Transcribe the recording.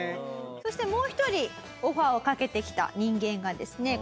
そしてもう一人オファーをかけてきた人間がですねこちら。